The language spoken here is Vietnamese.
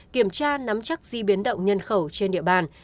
kiểm tra nắm chắc di biến động nhân khẩu trên địa bàn